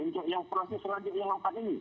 untuk yang proses selanjutnya yang empat ini